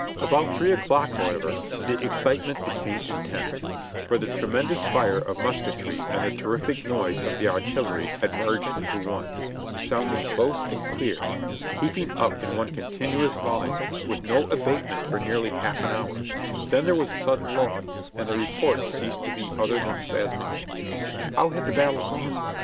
About three o'clock, however, the excitement became intense, for the tremendous fire of musketry and the terrific noise of the artillery had merged into one, sounding close and clear, keeping up in one continuous volume, with no abatement for nearly half an hour; then there was a sudden lull and the reports ceased to be other than spasmodic. How had the battle gone?